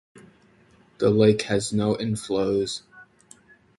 The lake has no inflows.